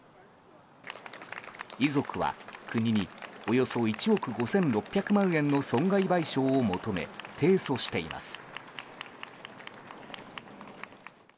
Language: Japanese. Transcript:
遺族は、国におよそ１億５６００万円の損害賠償を求め提訴しています。